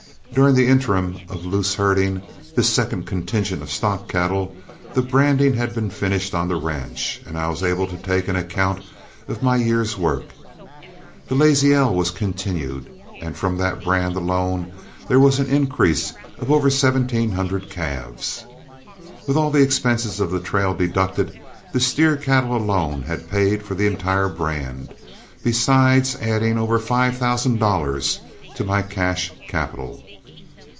During the interim of loose herding this second contingent of stock cattle, the branding had been finished on the ranch, and I was able to take an account of my year's work. The "Lazy L" was continued, and from that brand alone there was an increase of over seventeen hundred calves. With all the expenses of the trail deducted, the steer cattle alone had paid for the entire brand, besides adding over five thousand dollars to my cash capital.